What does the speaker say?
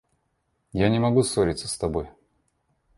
Я не могу ссориться с тобой.